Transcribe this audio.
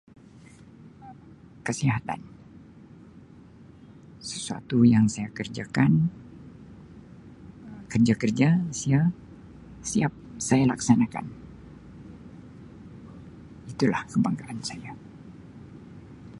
Kasihatan sesuatu yang saya kerjakan kerja-kerja siap-siap saya laksanakan, itulah kebanggaan saya.